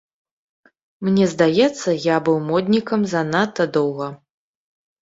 Мне здаецца, я быў моднікам занадта доўга.